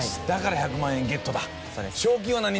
だから１００万円ゲットだ。